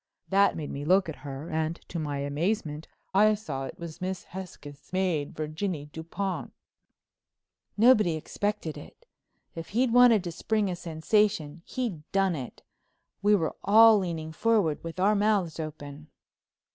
That made me look at her and, to my amazement, I saw it was Miss Hesketh's maid, Virginie Dupont." Nobody expected it. If he'd wanted to spring a sensation he'd done it. We were all leaning forward with our mouths open.